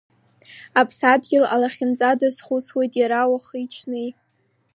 Аԥсадгьыл алахьынҵа дазхәыцуеит иара уахи-ҽни.